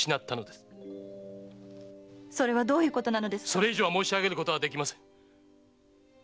それ以上は申しあげることはできません！